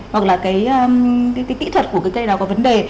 hoặc là cái kỹ thuật của cái cây đó có vấn đề